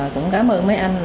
cũng cảm ơn mấy anh